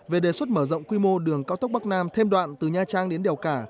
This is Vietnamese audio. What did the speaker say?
về đề xuất mở rộng quy mô đường cao tốc bắc nam thêm đoạn từ nha trang đến đèo cả